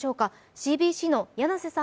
ＣＢＣの柳瀬さん